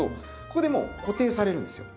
ここでもう固定されるんですよ。